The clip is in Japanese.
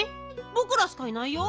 ぼくらしかいないよ。